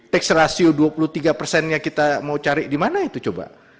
tax ratio dua puluh tiga persennya kita mau cari di mana itu coba